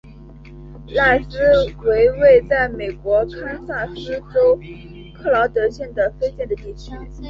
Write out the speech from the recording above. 赖斯为位在美国堪萨斯州克劳德县的非建制地区。